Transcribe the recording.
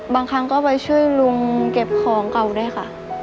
บางครั้งก็ไปช่วยลุงเก็บของเก่าด้วยค่ะ